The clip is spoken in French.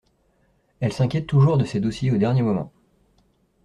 Elle s'inquiète toujours de ses dossiers au dernier moment.